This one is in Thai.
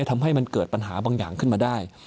ทำให้มันเกิดปัญหาบางอย่างขึ้นมาได้